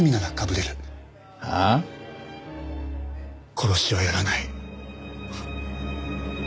殺しはやらない。